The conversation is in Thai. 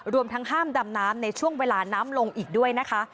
รวมทั้งห้ามดำน้ำในช่วงเวลาน้ำลงอีกด้วยนะคะ